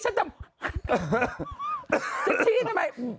จะดัมเชียร์ใช่ไหม